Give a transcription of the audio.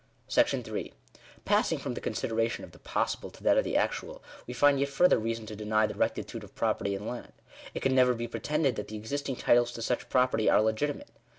§ 8. Passing from the consideration of the possible, to that of the actual, we find yet further reason to deny the rectitude of property in land. It can never be pretended that the existing titles to such property are legitimate.